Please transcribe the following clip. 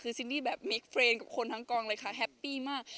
คือซินนี่แบบมิคเฟรนด์กับคนทั้งกองเลยค่ะแฮปปี้มาก